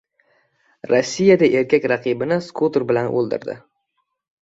Rossiyada erkak raqibini skuter bilan o‘ldirdi